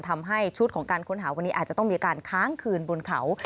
ทำให้ชุดของการค้นหาวันนี้อาจจะต้องมีการค้างคืนบนเขา